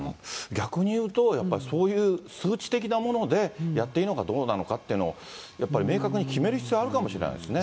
逆に言うと、そういう数値的なものでやっていいのかどうなのかっていうのを、やっぱり明確に決める必要あるかもしれないですね。